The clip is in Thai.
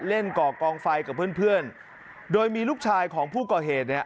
ก่อกองไฟกับเพื่อนเพื่อนโดยมีลูกชายของผู้ก่อเหตุเนี่ย